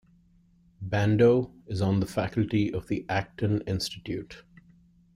Bandow is on the faculty of the Acton Institute.